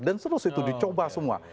dan seluruh situ dicoba semua